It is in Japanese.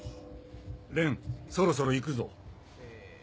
蓮そろそろ行くぞ。